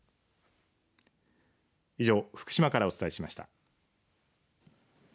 以上、福島からお伝えしました。